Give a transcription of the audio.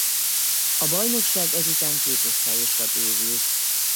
A bajnokság ezután két osztályosra bővült.